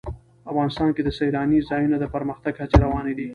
افغانستان کې د سیلانی ځایونه د پرمختګ هڅې روانې دي.